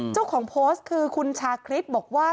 เจ้าของโพสต์คือคุณชาคริสบอกว่า